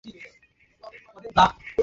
তিনি পুনরায় বিয়ে করেন।